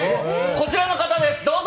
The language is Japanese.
こちらの方ですどうぞ！